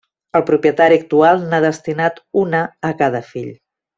El propietari actual n'ha destinat una a cada fill.